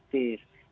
ini terlalu fantastis